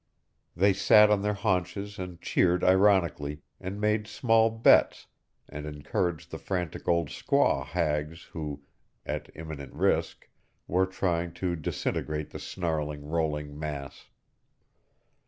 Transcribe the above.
They sat on their haunches and cheered ironically, and made small bets, and encouraged the frantic old squaw hags who, at imminent risk, were trying to disintegrate the snarling, rolling mass.